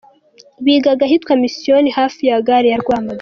Bigaga ahitwa Misiyoni hafi ya gare ya Rwamagana.